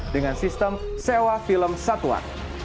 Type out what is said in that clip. dengan sistem sewa film satwa